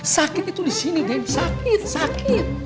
sakit itu disini den sakit sakit